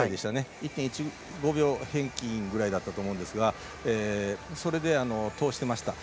１．１５秒平均ぐらいだったと思いますけどそれで、通してました。